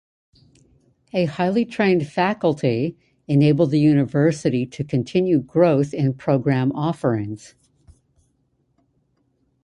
A highly trained faculty enabled the university to continue growth in program offerings.